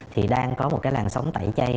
thì đang có một làn sóng tẩy chay